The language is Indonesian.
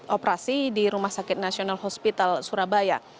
operasi di rumah sakit nasional hospital surabaya